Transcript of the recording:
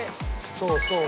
そうそう。